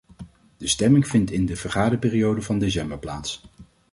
De stemming vindt in de vergaderperiode van december plaats.